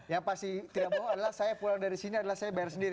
yang pasti tidak bohong adalah saya pulang dari sini